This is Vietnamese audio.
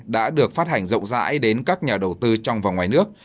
đã được phát hành rộng rãi đến các nhà đầu tư trong và ngoài nước